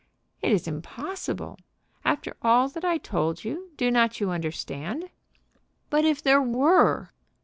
"It is impossible. After all that I told you, do not you understand?" "But if there were?"